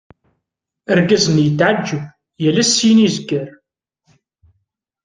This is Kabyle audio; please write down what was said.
Argaz-nni yetɛeğğeb, yal ass syin i zegger.